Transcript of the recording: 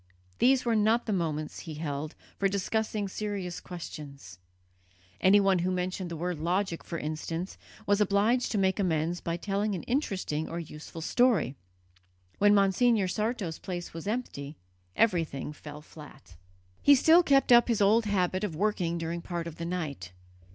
These were not the moments, he held, for discussing serious questions; anyone who mentioned the word logic, for instance, was obliged to make amends by telling an interesting or useful story. When Monsignor Sarto's place was empty, everything fell flat. He still kept up his old habit of working during part of the night.